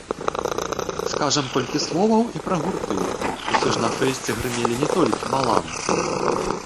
Скажам колькі словаў і пра гурты, усё ж на фэсце грымелі не толькі маланкі.